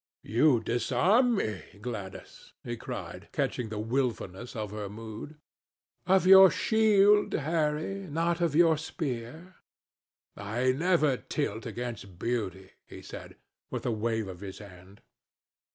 "You disarm me, Gladys," he cried, catching the wilfulness of her mood. "Of your shield, Harry, not of your spear." "I never tilt against beauty," he said, with a wave of his hand.